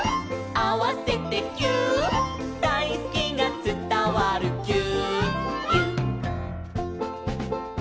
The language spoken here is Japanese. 「あわせてぎゅーっ」「だいすきがつたわるぎゅーっぎゅっ」